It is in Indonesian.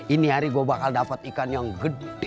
ini hari gue bakal dapat ikan yang gede